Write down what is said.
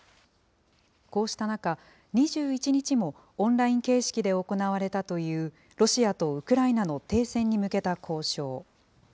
こうした中、２１日もオンライン形式で行われたという、ロシアとウクライナの停戦に向けた交渉。